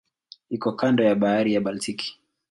Iko kando ya Bahari ya Baltiki.